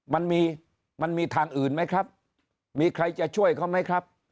มันมีมันมีทางอื่นไหมครับมีใครจะช่วยเขาไหมครับ